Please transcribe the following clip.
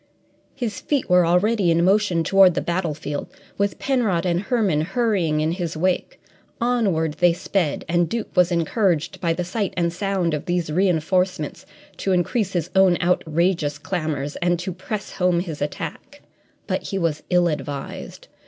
His feet were already in motion toward the battlefield, with Penrod and Herman hurrying in his wake. Onward they sped, and Duke was encouraged by the sight and sound of these reinforcements to increase his own outrageous clamours and to press home his attack. But he was ill advised.